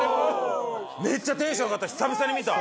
めっちゃテンション上がった。